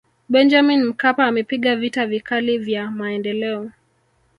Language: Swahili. benjamin mkapa amepiga vita vikali vya maendeleo